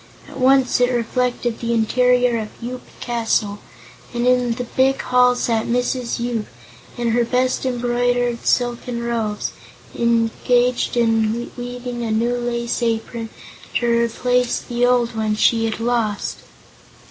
At once it reflected the interior of Yoop Castle, and in the big hall sat Mrs. Yoop, in her best embroidered silken robes, engaged in weaving a new lace apron to replace the one she had lost.